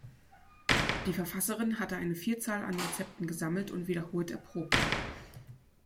Die Verfasserin hatte eine Vielzahl an Rezepten gesammelt und wiederholt erprobt.